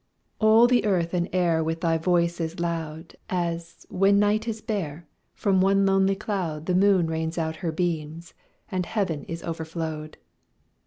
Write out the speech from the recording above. All the earth and air With thy voice is loud, As, when night is bare, From one lonely cloud The moon rains out her beams, and heaven is overflowed.